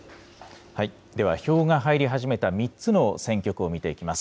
では票が入り始めた３つの選挙区を見ていきます。